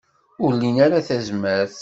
Ur lin ara tazmert.